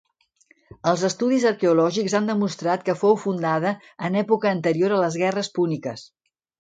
Els estudis arqueològics han demostrat que fou fundada en època anterior a les guerres púniques.